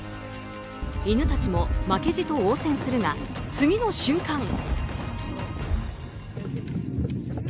犬たちも負けじと応戦するが次の瞬間。